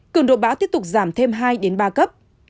cường độ báo tiếp tục giảm thêm hai đến ba cấp